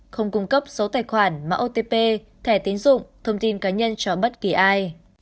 không cung cấp số tài khoản mã otp thẻ tín dụng thông tin cá nhân cho bất kỳ ai